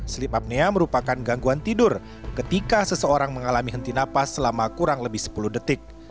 sleep apnea merupakan gangguan tidur ketika seseorang mengalami henti napas selama kurang lebih sepuluh detik